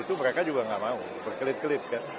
itu mereka juga nggak mau berkelit kelit kan